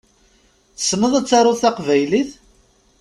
Tessneḍ ad taruḍ taqbaylit?